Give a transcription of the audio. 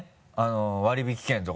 割引券とか